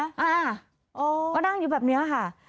อ่าก็นั่งอยู่แบบนี้ค่ะ